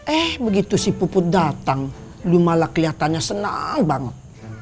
eh begitu si puput datang lu malah kelihatannya senang banget